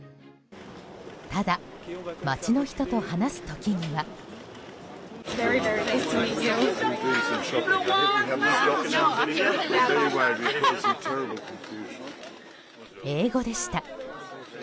ただ、街の人と話す時には。英語でした。